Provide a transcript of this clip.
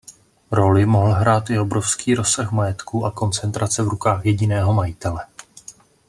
Roli mohl hrát i obrovský rozsah majetku a koncentrace v rukách jediného majitele.